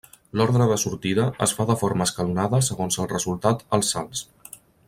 L'ordre de sortida es fa de forma escalonada segons el resultat als salts.